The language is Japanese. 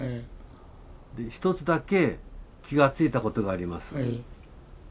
一つだけ気が付いたことがあります。